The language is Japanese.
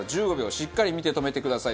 しっかり見て止めてください。